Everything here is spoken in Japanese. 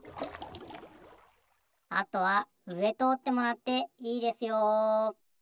あとはうえとおってもらっていいですよ。